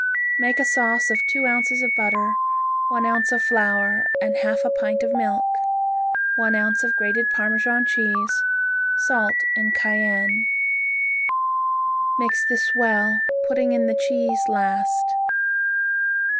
Make a sauce of two ounces of butter, one ounce of flour and half a pint of milk, one ounce of grated Parmesan cheese, salt and cayenne. Mix this well, putting in the cheese last.